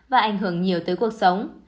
và ảnh hưởng nhiều tới cuộc sống